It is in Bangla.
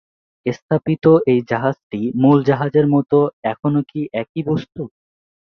প্রতিস্থাপিত এ জাহাজটি মূল জাহাজের মত এখনও কি একই বস্তু?